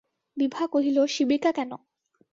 বিভা কহিল, শিবিকা কেন?